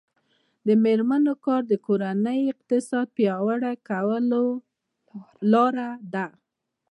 د میرمنو کار د کورنۍ اقتصاد پیاوړی کولو لاره ده.